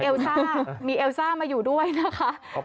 ซ่ามีเอลซ่ามาอยู่ด้วยนะคะ